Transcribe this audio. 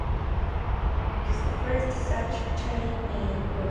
It is the first such chain in Europe.